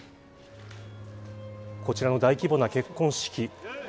こちらの大規模な結婚式。